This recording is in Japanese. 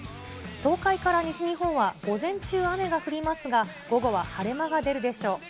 東海から西日本は午前中雨が降りますが、午後は晴れ間が出るでしょう。